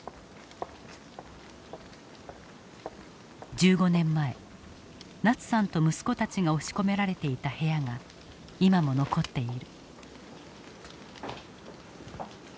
１５年前ナツさんと息子たちが押し込められていた部屋が今も残っている。